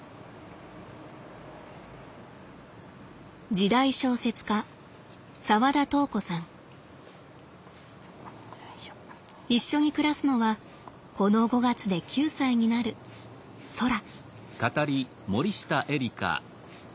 時代小説家一緒に暮らすのはこの５月で９歳になるそら。